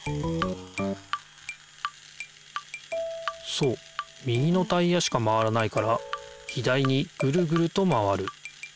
そう右のタイヤしか回らないから左にぐるぐると回る。